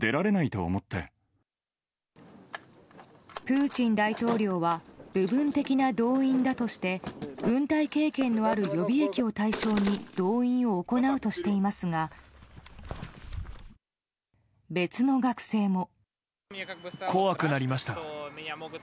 プーチン大統領は部分的な動員だとして軍隊経験のある予備役を対象に動員を行うとしていますが別の学生も。